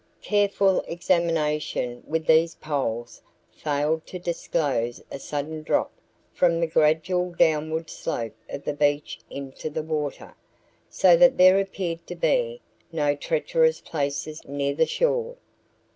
Careful examination with these poles failed to disclose a sudden drop from the gradual downward slope of the beach into the water, so that there appeared to be no treacherous places near the shore.